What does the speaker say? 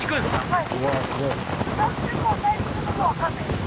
はい。